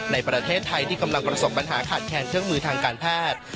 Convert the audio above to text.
ในประเทศไทยที่กำลังประสบปัญหาขาดแคนเครื่องมือทางการแพทย์